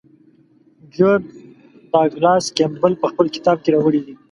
جورج ډاګلاس کیمبل په خپل کتاب کې راوړی دی.